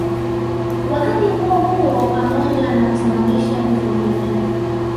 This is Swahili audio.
Wakati huohuo pamoja na kusababisha vifo vingi